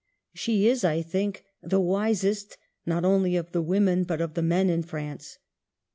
She is, I think, the wisest not only of the women but of the men in France.